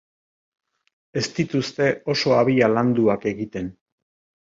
Ez dituzte oso habia landuak egiten.